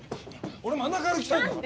俺真ん中歩きたいんだから。